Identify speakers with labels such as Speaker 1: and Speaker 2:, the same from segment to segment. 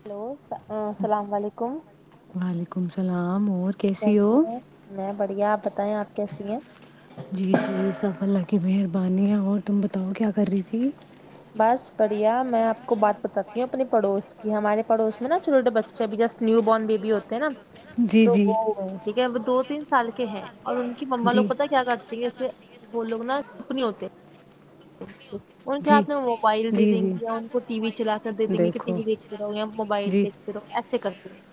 Speaker 1: Hello السلام علیکم
Speaker 2: وعلیکم السلام اور کیسی ہو
Speaker 1: بڑھیا آپ بتائیں آپ کیسی ہیں
Speaker 2: جی جی سب اللہ کی مہربانی ہے اور تم بتاؤ کیا کر رہی تھی
Speaker 1: بس بڑھیا میں آپ کو بات بتاتی ہوں اپنے پڑوس کی ہمارے پڑوس میں نا چھوٹے بچے بھی جسٹ نیو بورن بیبی ہوتے ہیں نا
Speaker 2: ان
Speaker 1: تو
Speaker 2: کو بچے نا
Speaker 1: وہ ٹھیک ہے وہ دو دن سال کے ہے اور ان کی مما کو
Speaker 2: رو
Speaker 1: پتہ ہے کیا کرتی ہے اس سے وہ لوگ نہیں ہوتے [unintelligible]
Speaker 2: رہے
Speaker 1: موبائل دے دیں گے ان کو ٹی وی چلا کر دے دیں
Speaker 2: ٹی
Speaker 1: گے کتنی موبائل دیکھتے رہو ایسے کرتے ہیں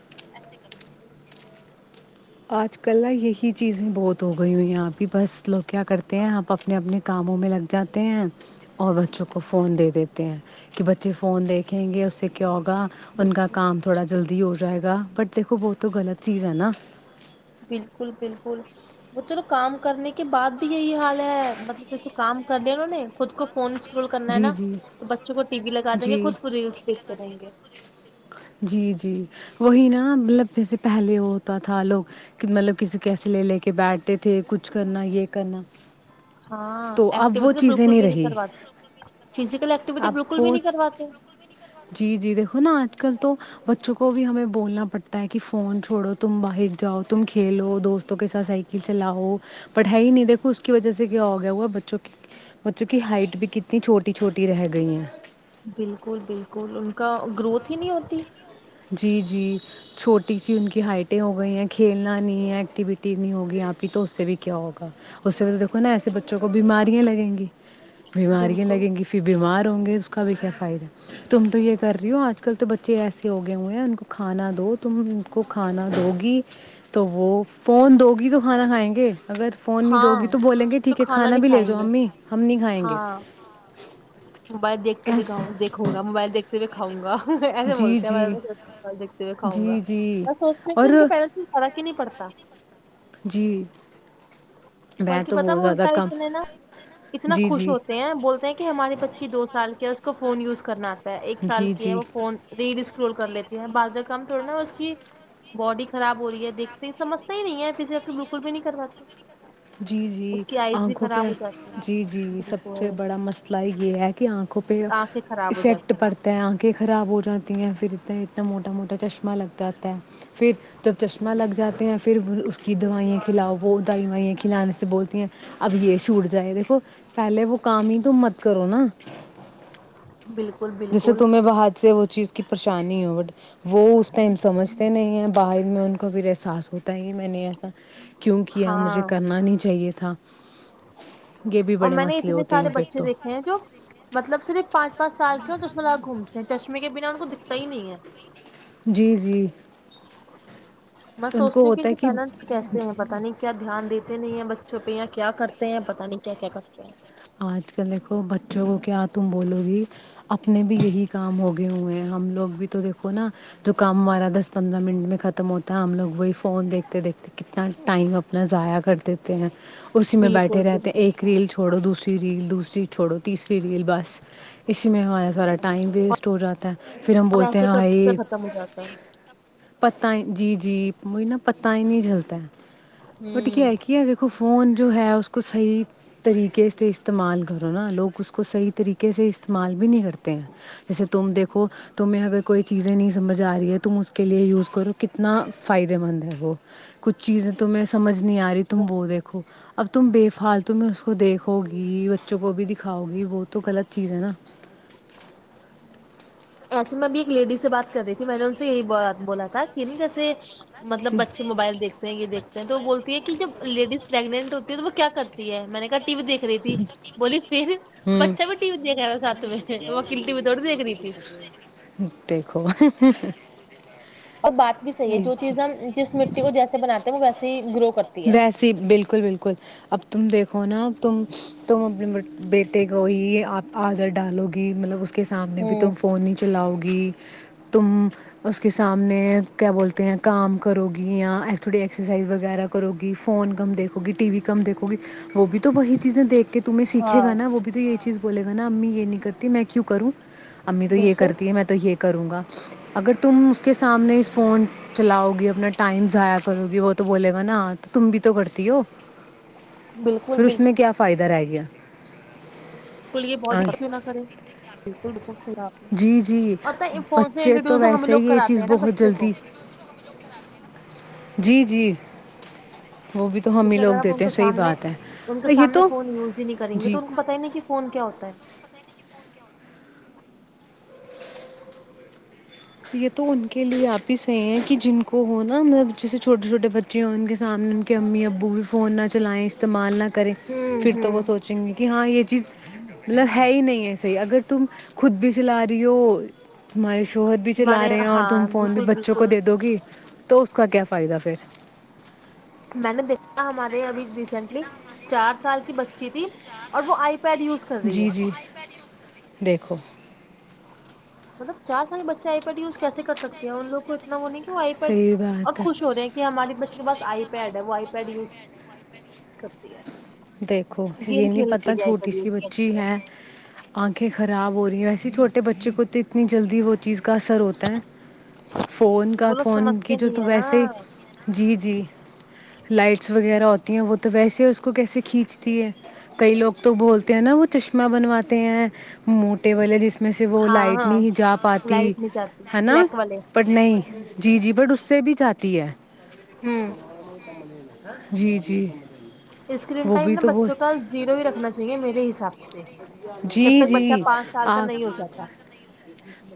Speaker 2: آج کل یہی چیزیں بہت ہو گئی یہاں پہ بس لوگ کیا کرتے ہیں آپ اپنے اپنے کاموں میں لگ جاتے ہیں اور بچوں کو فون دے دیتے ہیں کہ بچے فون دیکھیں گے اس سے کیا ہو
Speaker 1: ہیں
Speaker 2: فن کا کام تھوڑا جلدی ہو جائے گا پر دیکھو وہ تو غلط چیز ہے نا
Speaker 1: بالکل بالکل وہ چلو کام کرنے کے بعد بھی یہی حال ہے مطلب جیسے کام کر دیا انہوں نے خود کو فون سے فل کرنا ہے
Speaker 2: جی
Speaker 1: نا
Speaker 2: جی
Speaker 1: تو بچوں کو ٹی وی لگا دیں گے
Speaker 2: جی
Speaker 1: خود فری اس کریں گے
Speaker 2: یہاں تو وہی نا مطلب جیسے پہلے ہوتا تھا لوگ کہ مطلب کسی کیسی لے لے کے بیٹھتے تھے کچھ کرنا یہ کرنا
Speaker 1: ہاں
Speaker 2: تو اب وہ
Speaker 1: ایکٹیوٹیز
Speaker 2: چیزیں
Speaker 1: بالکل بھی نہیں
Speaker 2: رہی
Speaker 1: کرواتے فزیکل ایکٹیوٹی
Speaker 2: اب
Speaker 1: بالکل بھی
Speaker 2: وہ
Speaker 1: نہیں کرواتے
Speaker 2: جی جی دیکھو نا آج کل تو بچوں کو بھی ہمیں بولنا پڑتا ہے کہ فون چھوڑو تم باہر جاؤ تم کھیلو دوستوں کے ساتھ ائی سائیکل چلاؤ پڑھا ہی نہیں دیکھو اس کی وجہ سے کہ بچوں کی بچوں کی ہائٹ بھی کتنی چھوٹی چھوٹی رہ گئی ہیں
Speaker 1: بالکل بالکل ان کا گروتھ ہی نہیں ہوتی
Speaker 2: جی جی چھوٹی سی ان کی ہائٹیں ہو گئی ہیں کھیلنا نہیں ہے ایکٹیوٹی نہیں ہوگی اپ کی تو اس سے بھی کیا ہوگا اس سے بھی دیکھو نا ایسے بچوں کو بیماری لگیں گی بیماریاں
Speaker 1: بالکل
Speaker 2: لگیں گی پھر بیمار اس کا بھی کیا فائدہ ہے تم تو یہ کر رہی ہو اج کل تو بچے ایسے کے ہوگئے ہوئے ہیں ان کو کھانا دو تم ان کو کھانا دو گی تو وہ فون دو گی تو کھانا کھائیں گے اگر فون نہیں دو
Speaker 1: ہاں
Speaker 2: گی تو بولیں گے
Speaker 1: تو
Speaker 2: ٹھیک ہے کھانا
Speaker 1: نہیں
Speaker 2: بھی لے جو
Speaker 1: کھائیں گے
Speaker 2: امی ہم نہیں کھائیں گے
Speaker 1: ہاں موبائل دیکھتے ہوئے
Speaker 2: ایس
Speaker 1: کھاؤں دیکھوں گا موبائل دیکھتے ہوئے کھاؤں گا اگے بولتے ہیں دیکھتے ہوئے کھاؤں گا
Speaker 2: جی جی
Speaker 1: بس اس میں سے
Speaker 2: اور
Speaker 1: ان کے پیر فرق ہی نہیں پڑتا
Speaker 2: جی میں
Speaker 1: بلک
Speaker 2: تو
Speaker 1: پتا
Speaker 2: بہت زیادہ
Speaker 1: وہٹا
Speaker 2: کم
Speaker 1: اتنے نا اتنا
Speaker 2: جی
Speaker 1: خوش
Speaker 2: جی
Speaker 1: ہوتے ہیں بولتے ہیں کہ ہماری بچی دو سال کی فونیوز کرنا آتا ایک سال
Speaker 2: جی
Speaker 1: کی ہے
Speaker 2: جی
Speaker 1: وہ فون ریڈ رول کر لیتی ہیں بع کام تھوڑ نا اس کی باڈی خراب ہو رہی ہے دیکھتے ہی سمجھ ہی نہیں ہے فزیکل ایکٹیویٹی بالکل بھی نہیں کر پاتے
Speaker 2: جی جی آنکھوں
Speaker 1: خراب
Speaker 2: پہ
Speaker 1: ہو جاتی
Speaker 2: جی جی
Speaker 1: ہیں
Speaker 2: سب سے
Speaker 1: بالکل
Speaker 2: بڑا مسئلہ یہ ہے کہ آنکھوں پہ
Speaker 1: آنکھیں خراب ہو
Speaker 2: افیکٹ
Speaker 1: جاتی ہیں
Speaker 2: پڑتا ہے آنکھیں خراب ہو جاتی ہیں پھر اتنا اتنا موٹا موٹا چشمہ لگ جاتا ہے پھر جب
Speaker 1: جی
Speaker 2: چشمہ لگ جاتے ہیں پھر کی دوائیںں کلاف وہ دوائیائیں کھلانے سے بولتی ہیں اب یہ چھوٹ جائے دیکھو پہلے وقام ہی تو مت کرو نا
Speaker 1: بالکل
Speaker 2: جیسے
Speaker 1: بالکل
Speaker 2: تمہیں بات سے وہ چیز کی پریشانی ہو وہ اس ٹائم سمجھتے نہیں ہیں باہر میں ان کو کبیر احساس ہوتا ہے میں نے ایسا کیونکہ ہاں مجھے کرنا نہیں چاہیے تھااں
Speaker 1: اور میں نے اتنے
Speaker 2: ہوتے ہیں
Speaker 1: سارے
Speaker 2: پھر
Speaker 1: بچے
Speaker 2: تو
Speaker 1: دیکھے ہیں جو مطلب صرف پانچ پس سال کے اور چشمہ لاکھ گھومتے ہیں چشمے کے بنا ان کو دکھتا ہی نہیں ہے
Speaker 2: جی جی
Speaker 1: میں
Speaker 2: کو
Speaker 1: سوچتی کہ
Speaker 2: ہوتا ہے
Speaker 1: ان پیرنٹس کیسے ہیں پتہ نہیں کیا دھیان دیتے تے نہیں ہیں بچوں پہ کیا کرتے ہیں پتا نہیں کیا کیا کرتے ہیں
Speaker 2: آج کل دیکھو بچوں کو کیا تم بولو گی اپنے بھی یہی کام ہوگے ہوئے ہیں ہم لوگ بھی تو دیکھو نا جو کام ہمارا دس پندرہ منٹ میں ختم ہوتا ہے ہم لوگ وہی فون دیکھتے دیکھتے کتنا ٹائم اپنا ضائع کر دیتے ہیں اسی میں
Speaker 1: بالکل
Speaker 2: بیٹھے رہتے ہیں
Speaker 1: بالکل
Speaker 2: ایک ریل چھوڑو دوسرا ری ریل دوسری چھوڑو تیسری ریل بس اسی میں ہم سارا ٹائم بھی اسٹ ہو جاتا ہے پھر ہم
Speaker 1: اور
Speaker 2: بولتے
Speaker 1: ایسے
Speaker 2: ہیں
Speaker 1: کرتے
Speaker 2: بھائی
Speaker 1: کرتے ختم ہو جاتا ہے
Speaker 2: پت جی جی وہی نا پت ہی نہیں جلتا ہے وہٹ
Speaker 1: ہوں
Speaker 2: کیا کی ہے دیکھو فون جو ہے اس کو صحیح طریقے سے استعمال کرو نا لوگ اس کو صحیح طریقے سے استعمال بھی نہیں کرتے ہیں جیسے تم دیکھو تمیں اگر کوئی چیزیں نہیں سمجھ آ رہی ہے تم اس کے لیے یز کرو کتنا فائدے مند ہے وہ کچھ چیز ت سج نی آیاری تمبو دیکھو اب تم بے فالتم اس کو دیکھو گے بچوں کو بھی دکھاؤ گی وہ تو غلط چیز ہے نا
Speaker 1: ایسے میں اب ایک لیڈی سے بات کر رہی تھی میں نے ان سے یہی بولا تھا کہ نا جیسے مطلب
Speaker 2: جی
Speaker 1: بچے موبائل دیکھ ہیں یہ دیکھتے تو وہ بولتی ہے کہ جب لیڈیز پریگنٹ ہوتی ہے تو وہ کیا کرتی ہے میں نے کہ ٹی وی دیکھ رہی تھی بولی پھر بچہ بھی ٹی وی دیکھ رہا تھا ساتھ میں وہ کلٹی بھی دورڑد د ایک ریتی
Speaker 2: [inaudible]
Speaker 1: اور بات بھی صحیح ہے جو
Speaker 2: دیکھو
Speaker 1: چیزیں ہم جس مٹی کو جیسے بنات ہیں وہ ویسے [inaudible]
Speaker 2: ویسے ہی بالکل بالکل اب تم دیکھو نا تم تم اپنے بیٹے کو ہی آدر ڈالو گی مطلب اس کے سامنے بھی
Speaker 1: ہوں
Speaker 2: تم فون ہی چلاؤ گی [inaudible] تم کے سامنے کیا بولتے ہیں کام کرو گی یا تھوڑی ایکسرسائز وغیرہ کرو گی فون کم دیکھو گی ٹی وی کم دیکھو گی وہ بھی تو وہی چیزیں دیکھ کہ تمہیں سیکھے
Speaker 1: ہاں
Speaker 2: گا وہ بھی تو یہ چیز بولے گ نا امی یہ نہیں کرتی میں کیوں کروں امی تو یہ
Speaker 1: بالکل
Speaker 2: کرتی ہے میں تو یہ کروں گا اگر تم اس کے سامنے فون چلاؤ گی اپنا ٹائم ضائع کرو گی وہ تو بولے نا تو تم بھی تو کرتی ہو
Speaker 1: بالکل
Speaker 2: پھر اس میں
Speaker 1: بالکل
Speaker 2: کیا فائدہ رہے گا [inaudible]
Speaker 1: [inaudible]
Speaker 2: جی جی
Speaker 1: اور پتہ ہے فون سے
Speaker 2: بچے تو
Speaker 1: انٹروڈیوس ہم
Speaker 2: ویسے
Speaker 1: لوگ
Speaker 2: ہی یہ
Speaker 1: کراتے
Speaker 2: چیز
Speaker 1: ہیں نا
Speaker 2: بہت
Speaker 1: بچے کو
Speaker 2: جلدی جی جی وہ بھی تو ہم ہی
Speaker 1: جیسے
Speaker 2: لوگ
Speaker 1: اگر آپ ان
Speaker 2: دیتے
Speaker 1: کو
Speaker 2: ہیں صحیح
Speaker 1: سامنے
Speaker 2: بات ہے
Speaker 1: ان کے
Speaker 2: یہ
Speaker 1: سامنے
Speaker 2: تو
Speaker 1: فون یوز ہی نہیں کریں گے تو
Speaker 2: جی
Speaker 1: ان کو پت ہی نہیں کہ فون کیا ہوتا ہے
Speaker 2: یہ تو ان کے لیے آپ ہی صحیح ہیں کہ جن کو ہو ن مطلب جیسے چھوٹے چھوٹے بچے ہوں ان کے سامنے ان کے امی ابو بھی فون نہ چلائیں استعمال نہ کریں
Speaker 1: ہوں
Speaker 2: پھر تو
Speaker 1: ہوں
Speaker 2: وہ سوچیں گے کہ ہاں یہ چیز مطلب ہے ہی نہیں ہے صحی اگر تم خود بھی چلا رہی ہو تارے شوہر بھی چلا
Speaker 1: ہمارے
Speaker 2: رہے ہیں اور
Speaker 1: ہاں
Speaker 2: تم فون بھی
Speaker 1: بالکل
Speaker 2: بچوں کو
Speaker 1: بالکل
Speaker 2: دے دو گی تو اس کا کیا فائدہ پھر
Speaker 1: میں نے دیکھا ہمارے ابھی ریسینٹلی چار سال کی بچی تھی اور وہ آئی پیڈ یز کر رہی
Speaker 2: جی
Speaker 1: ہے
Speaker 2: جی دیکھو
Speaker 1: مطلب چار سال بچے آئی پٹی اس کیسے کر سکتے ہیں ان لوگ کو اتنا وہ نہیں آ پر
Speaker 2: صحیح
Speaker 1: اور
Speaker 2: بات ہے
Speaker 1: خوش ہو رہے ہیں کہ ہماراری بچے اس کے پاس آئی پیڈ ہے وہ آئی پیڈ یوز کرتی ہے
Speaker 2: دیکھو
Speaker 1: گیم
Speaker 2: یہ نہیں
Speaker 1: کھیلنے کے
Speaker 2: پتا
Speaker 1: لیے آئی
Speaker 2: چھوٹی
Speaker 1: پیڈ
Speaker 2: سی
Speaker 1: یوز کرتی
Speaker 2: بچی ہے انکھیں خراب ہو رہی ہے ویسے چھوٹے بچے کو تو اتنی جلدی وہ چینز کا اثر ہوتا ہے فون کا
Speaker 1: وہ لوگ
Speaker 2: فون کی
Speaker 1: سمجھتے
Speaker 2: جو
Speaker 1: نہیں
Speaker 2: تو
Speaker 1: ہے نا
Speaker 2: ویسے جی جی لائٹس وغیرہ ہوتی ہیں وہ تو تو ویسے اس کو کیسے کھینچتی ہے کئی لوگ تو بولتے ہیں نا وہ چشمہ بنواتے ہیں موٹے والے جس میں میں سے وہ
Speaker 1: ہاں
Speaker 2: لائٹ
Speaker 1: ہاں
Speaker 2: نہیں جا پاتی
Speaker 1: لائٹ میں جاتی
Speaker 2: ہے نا
Speaker 1: بلیک والے
Speaker 2: بٹ نہیں جی جی بٹ اس سے بھی جاتی ہوتی ہے
Speaker 1: ہوں
Speaker 2: [inaudible] جی جی
Speaker 1: اسکرین
Speaker 2: وہ
Speaker 1: ٹائم
Speaker 2: بھی
Speaker 1: نا
Speaker 2: تو وہ
Speaker 1: بچوں کا زیرو ہی رکھنا چاہیے میرے حصاب سے جب
Speaker 2: جی
Speaker 1: تک بچہ
Speaker 2: جی
Speaker 1: پانچ سال کا نہیں ہو جاتا
Speaker 2: آپ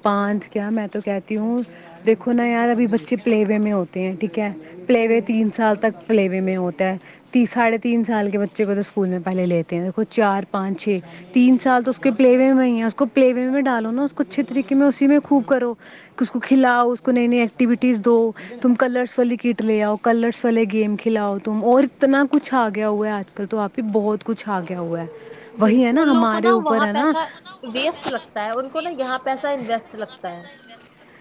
Speaker 2: پانچ کیا میں تو کہتی ہوں دیکھو نا یار ابھی بچے پلے وے میں ہوتے ہیں ٹھیک ہے پلے وے
Speaker 1: ہوں
Speaker 2: تین سال تک پل وے میں ہوتے تین ساڑھے تین سال کے بچے کو تو اسکول میں پہلے لیتے ہیں دیکھو چار پانچ چھ تین سال تو اس کے پلے وے میں ہی ہے اس کو پلے وے میں ڈالو نا اس کو اچھے طریقے میں اسی میں خوب کرو کہ اس کو کھلاؤ اس کو نئی نئی ایکٹیوٹیز دو تم کلرس والی کٹ لے آؤ کلرس والے گیم کھلاؤ تم اور اتنا کچھ آگ گیا ہوا ہے آج کل تو آپ بھی ہی بہت کچھ آ گیا ہوا ہے وہی ہے
Speaker 1: بالکل
Speaker 2: نا
Speaker 1: ان لوگوں کو
Speaker 2: ہمارے
Speaker 1: نا
Speaker 2: اوپر
Speaker 1: وہاں
Speaker 2: ہے نا
Speaker 1: پیسہ ویسٹ لگتا ہے ان کو نا یہاں پیسہ انویسٹ لگتا ہے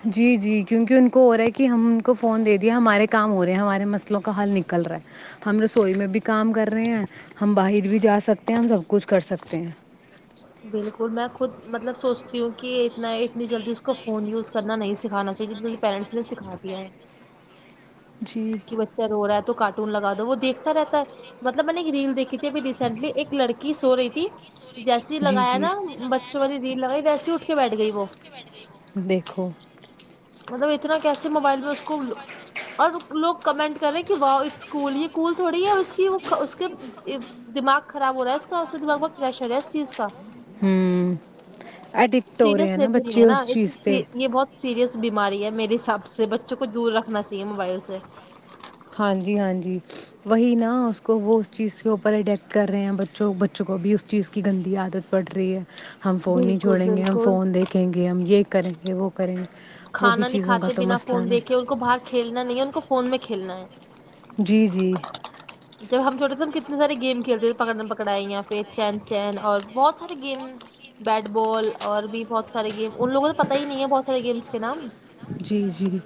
Speaker 2: ہے۔ جی جی کیونکہ ان ہو رہا ہے کہ ہم ان کو فون دے دیا ہمارے کام ہو رہے ہیں ہمارے مسلوں کا حل نکل رہا ہے ہم رسوئی میں بھی کام کر رہے ہیں ہم باہر بھی جا سکتے ہیں ہم سب کچھ کر سکتے ہیں
Speaker 1: بالکل میں خود مطلب سوچتی ہوں کہ اتنا اتنی جلدی اسس کو فون یوز کرنا نہیں سکھانا چاہیے جتنی جلدی پیرنٹس نے سکھا دیا ہے
Speaker 2: جی
Speaker 1: کہ بچہ رو رہا ہے تو کاٹ لگا دو وہ دیکھتا رہتا ہے مطلب میں نے ایک ریل دیکھی بھی ریسنٹلی ایک لڑکی کی سو رہی تھی
Speaker 2: جی
Speaker 1: لگایا
Speaker 2: جی
Speaker 1: نا
Speaker 2: جیسے
Speaker 1: بچوں والی ریل لگائی تو ایسی اٹھ کے بیٹھ گئی وہ
Speaker 2: وہ دیکھو
Speaker 1: مطلب اتنا کیا موبائل میں اس کو اور لوگ کمنٹ کریں کہ واؤ کول یہ کوول تھوڑی ہے اس کی کہ وہ اس کے دماغ خراب ہو رہا ہے دماغ بہت پریشر ہے اس چیز کا
Speaker 2: ہوں اڈکٹ ہو رہے
Speaker 1: سیریس
Speaker 2: ہیں نا
Speaker 1: لیتے نہیں
Speaker 2: بچے
Speaker 1: ہے نا
Speaker 2: اس چیز پہ
Speaker 1: یہ بہت سیریس بیماری ہے میرے حساب سے بچوں کو دور رکھنا چاہیے موبائل سے
Speaker 2: ہاں جی ہاں جی وہی نا کو وہ اس چیز کے اوپر اڈیک کر رہے ہیں بچوں بچوں کو بھی اس چیز کی گندی عادت پڑ رہی ہے ہم فون ہی
Speaker 1: بالکل
Speaker 2: چھوڑیں گے ہم
Speaker 1: بالکل
Speaker 2: فون دیکھیں گے ہم یہ کریں گے وہ کریں گے وہ بھی
Speaker 1: کھانا نہیں
Speaker 2: چیزوں کا
Speaker 1: کھاتے
Speaker 2: تو
Speaker 1: بنا
Speaker 2: مسئلہ
Speaker 1: فون
Speaker 2: نا
Speaker 1: دیکھ کے ان کو باہر کھیلنا نہیں ہے ان کو فون میں کھیلنا ہے
Speaker 2: جی جی
Speaker 1: جب ہم چھوٹے تھے ہم کتنے سارے گیم کھیلتے تھے پکڑنے پکڑ یااں پہ چین چین اور بہت سارے گیم بیٹ بال اور بھی بہت سارے گیم ان لوگوں تو پت ہی نہیں ہے بہت سارے گیمس نام
Speaker 2: جی جی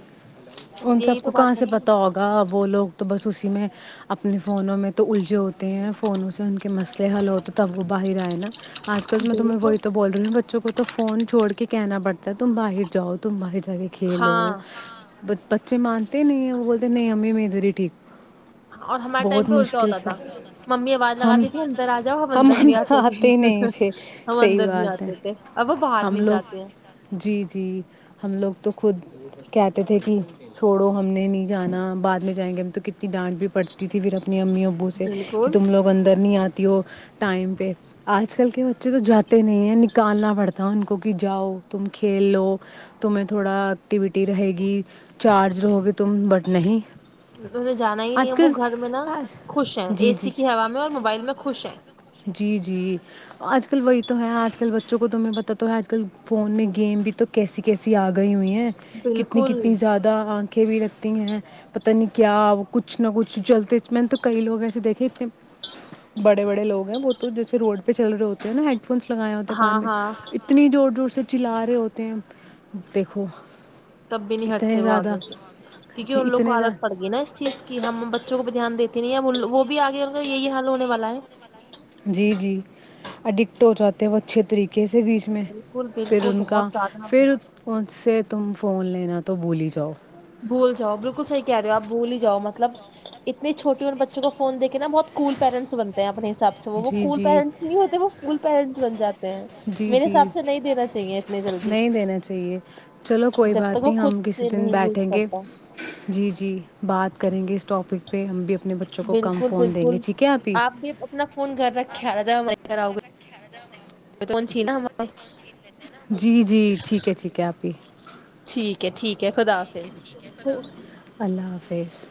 Speaker 2: ان سب
Speaker 1: یہی
Speaker 2: کو
Speaker 1: تو
Speaker 2: کہاں
Speaker 1: بات ہے
Speaker 2: سے
Speaker 1: نا
Speaker 2: پتا ہوگا وہ لوگ تو بس اسی کہ میںیں [unintelligible] اپنے فونوں میں تو الٹی جو ہوتے ہیں فونوں سے ان کے مسئلے حل ہوتے تب وہ باہر آئے نا آج کل میں تمہ
Speaker 1: بالکل
Speaker 2: وہی تو بول رہی ہوں بچوں کو تو فون چھڑ کے کہنا پڑتا ہے تم باہر جاؤ تم باہر جا کے کھیلو
Speaker 1: ہاں
Speaker 2: [unintelligible] چ مانتے نہیں وہ بولتے نہیں امی م تری ٹھیک
Speaker 1: اور ہمارے ٹائم
Speaker 2: بہت
Speaker 1: پہ الٹا
Speaker 2: مشکل
Speaker 1: ہوتا
Speaker 2: سے
Speaker 1: تھا ممی آواز
Speaker 2: ہم
Speaker 1: لگاتی ت اندر آ جاؤ ہم اندر نہیں آتے تھے
Speaker 2: نہیں
Speaker 1: ہم
Speaker 2: صحیح
Speaker 1: اندر نہیں
Speaker 2: بات
Speaker 1: آتے
Speaker 2: ہے
Speaker 1: تھے اب باہر
Speaker 2: ہم
Speaker 1: نہیں
Speaker 2: لوگ
Speaker 1: جاتے ہیں
Speaker 2: جی جی ہم لوگ تو خود کہتے تھے کہ چھوڑو ہم نے نہیں جانا بعد میں جائیں گے ہم تو کتنی ڈانٹ بھی پڑتی تھی پھر اپنی امی ابو سے کہ
Speaker 1: بالکل
Speaker 2: تم لوگ اندر نہیں آتی ہو ٹائم پہ آج کل کے بچے تو جاتے تے نہیں نکالنا پڑتا ان کو کہ جاؤ تم کھیل لو تمہیں تھوڑا ایکٹیویٹی رہے گی چارج رہو گے تم بٹ نہیں
Speaker 1: انہیں جانا ہی نہیں
Speaker 2: آج
Speaker 1: ہے وہ
Speaker 2: کل
Speaker 1: گھر میں نا خوش ہیں
Speaker 2: جی
Speaker 1: اے
Speaker 2: جی
Speaker 1: سی کی ہوا میں اور موبائل میں خوش ہیں
Speaker 2: جی جی آج کل وہی تو آجل بچوں کو تمہیں پ تو آج کل فون میں گیم بھی تو کیسی کیسی آ گئی ہوئی ہیں ہیں کتنی
Speaker 1: بالکل
Speaker 2: کتنی زیادہ آنکھیں بھی لگتی ہیں پتہ نہیں کیا کیا کچھ نہ کچھ چلتے میں نے تو کئی لوگ ایسے دیکھے تھے بڑے بڑے لوگ ہیں بہت تو جیسے روڈ پہ چل رہ ہوتے نا ہیڈ فونس لگاائے ہوتے کان
Speaker 1: ہاں
Speaker 2: میں
Speaker 1: ہاں
Speaker 2: نی زور زور سے چلا رہے ہوتے ہیں دیکھو
Speaker 1: تب بھی نہیں
Speaker 2: اتنے
Speaker 1: ہٹتے وہ
Speaker 2: زیادہ
Speaker 1: آگے سے کیونکہ
Speaker 2: جی
Speaker 1: ان لوگ کو
Speaker 2: اتنے زیادہ
Speaker 1: عادت پڑ گی نا اس چیز کی ہم بچوں کو بھی دھیان دیتے دت وہ بھی آگے ان کا یہی حال ہونے والا ہے
Speaker 2: جی جی اڈکٹ ہو جاتے وہ اچھے طریقے کیسے بیچ میں
Speaker 1: بالکل
Speaker 2: پھر
Speaker 1: بالکل
Speaker 2: ان
Speaker 1: بہت
Speaker 2: کا
Speaker 1: زیادہ
Speaker 2: پھر ان سے تم فون لینا تو بھولی ہی جاؤ
Speaker 1: بھول جاؤ بالکل صحی کہہ رہے ہو آپ بول ہیاؤ مطلب اتنی چھوٹی اننے بچوں کو فون دیک کے نا بہت کول پیرنٹس بنتے ہیں اپنے حساب سے وہ
Speaker 2: جی
Speaker 1: کول
Speaker 2: جی
Speaker 1: پینٹس نہیں ہوتے وہ فول پینٹس بن جاتے
Speaker 2: جی
Speaker 1: میرے
Speaker 2: جی
Speaker 1: حساب سے نہیں دینا چاہیے اتنی جلدی
Speaker 2: تی [unintelligible] چلو کوئی
Speaker 1: جب تک
Speaker 2: بات
Speaker 1: وہ
Speaker 2: نہیں
Speaker 1: خود
Speaker 2: ہم کسی
Speaker 1: سے
Speaker 2: دن
Speaker 1: نہیں یوز
Speaker 2: بیٹھیں گے
Speaker 1: کرتا
Speaker 2: جی جی بات کریں گے اس ٹاپک پہ پ ہمب
Speaker 1: بالکل بالکل آپ بھی اپنا فون گھر رکھے رہا تھا آؤ گ توھی نا ہمارے
Speaker 2: جی جی ٹھیک ہے ٹھیک ہے آپ ہی
Speaker 1: اھ ٹھیک ہے خدافظ
Speaker 2: اللہ حافظ